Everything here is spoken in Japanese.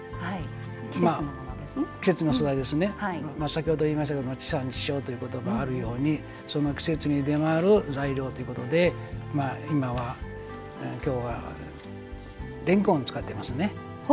先ほど言いましたけど地産地消という言葉があるようにその季節に出回る材料ということで今日は、れんこんを使っています。